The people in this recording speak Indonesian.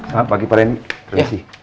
pak pagi pada ini terima kasih